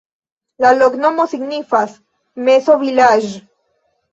La loknomo signifas: meso-vilaĝ'.